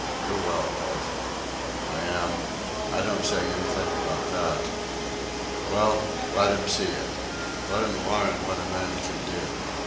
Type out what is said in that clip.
You're well orf." "I am... I don't say anything about that...." "Well. Let 'em see it. Let 'em larn what a man can do.